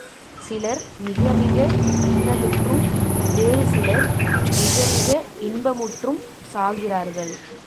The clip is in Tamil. சிலர் மிகமிக இன்னலுற்றும் வேறுசிலர் மிகமிக இன்பமுற்றும் சாகிறார்கள்.